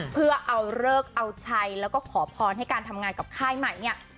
เพื่อเอาเลิกเอาชัยแล้วก็ขอพรให้การทำงานกับค่ายใหม่เนี่ย